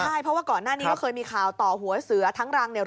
ใช่เพราะว่าก่อนหน้านี้ก็เคยมีข่าวต่อหัวเสือทั้งรังเนี่ย